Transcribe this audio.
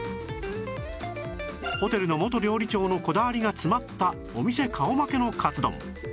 ホテルの元料理長のこだわりが詰まったお店顔負けのかつ丼